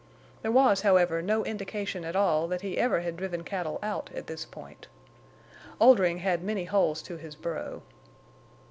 There was, however, no indication at all that he ever had driven cattle out at this point. Oldring had many holes to his burrow.